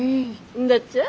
んだっちゃ。